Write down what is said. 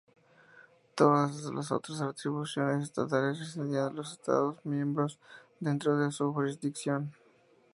Todas las otras atribuciones estatales residían en los Estados miembros dentro de su jurisdicción.